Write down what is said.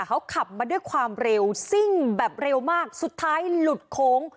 เขาขับมาด้วยความเร็วซิ่งแบบเร็วมากสุดท้ายหลุดโค้ง